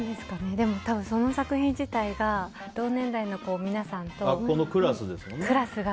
でもその作品自体が同年代の皆さんと、クラスが。